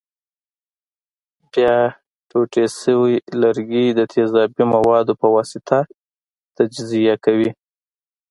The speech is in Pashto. بیا ټوټې شوي لرګي د تیزابي موادو په واسطه تجزیه کوي.